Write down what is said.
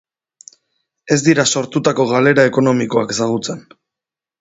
Ez dira sortutako galera ekonomikoak ezagutzen.